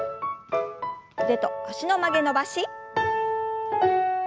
腕と脚の曲げ伸ばし。